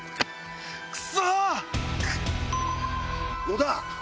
野田！